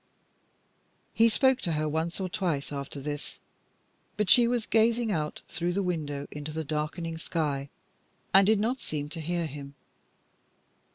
He spoke to her once or twice after this, but she was gazing out through the window into the darkening sky, and did not seem to hear him.